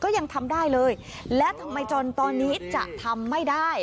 ยังทำได้เลยและทำไมจนตอนนี้จะทำไม่ได้